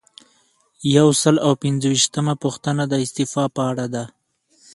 یو سل او پنځه ویشتمه پوښتنه د استعفا په اړه ده.